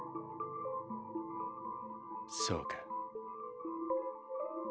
そうか。